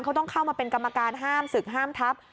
เขาต้องเข้ามาเป็นกรรมการห้ามศึกห้ามทัพ